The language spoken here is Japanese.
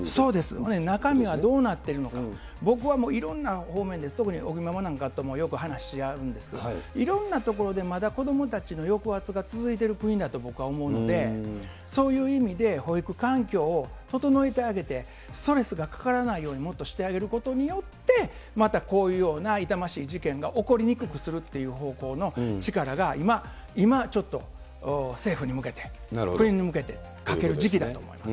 中身はどうなっているのか、僕はもう、いろんな方面で、特に尾木ママなんかとかともよく話し合うんですけれども、いろんなところでまだ子どもたちの抑圧が続いている国だと僕は思うので、そういう意味で、保育環境を整えてあげて、ストレスがかからないようにもっとしてあげることによって、またこういうような痛ましい事件が起こりにくくするっていう方向の力が今、今ちょっと、政府に向けて、国に向けてかける時期だと思います。